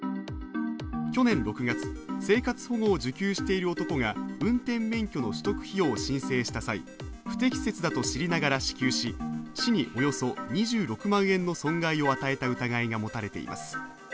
去年６月、生活保護を受給している男が運転免許の取得費用を申請した際、不適切だと知りながら支給し市におよそ２６万円の損害を与えた疑いが持たれています。